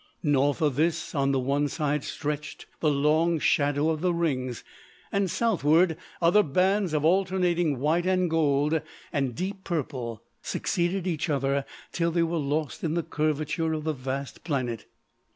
North of this on the one side stretched the long shadow of the rings, and southward other bands of alternating white and gold and deep purple succeeded each other till they were lost in the curvature of the vast planet.